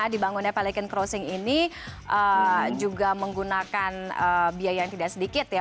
dibangunnya pelican crossing ini juga menggunakan biaya yang tidak sedikit ya